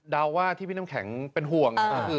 เดาว่าที่พี่น้ำแข็งเป็นห่วง